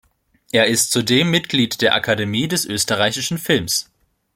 Er ist zudem Mitglied der Akademie des Österreichischen Films.